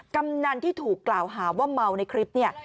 กำนันที่ถูกกล่าวหาว่าเมาในคลิปเนี่ย